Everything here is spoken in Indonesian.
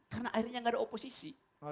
karena akhirnya gak ada oposisi